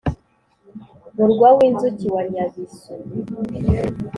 murwa w’inzuki wa nyabisu,